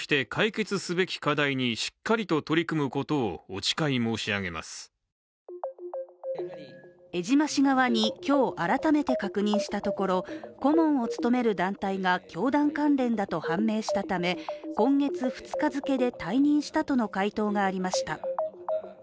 当時、江島氏は江島氏側に今日、改めて確認したところ、顧問を務める団体が教団関連だと判明したため今月２日付で退任したとの回答がありました。